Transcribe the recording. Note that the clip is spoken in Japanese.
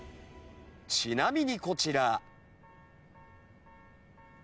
ちなみにこちら。